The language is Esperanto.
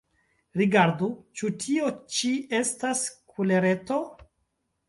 Rigardu: ĉu tio ĉi estas kulereto?